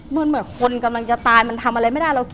เหมือนคนกำลังจะตายมันทำอะไรไม่ได้